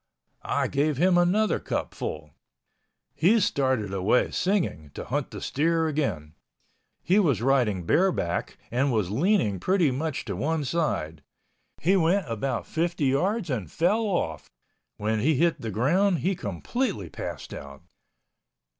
I gave him another cupful. He started away singing, to hunt the steer again. He was riding bareback and was leaning pretty much to one side. He went about 50 yards and fell off. When he hit the ground, he completely passed out.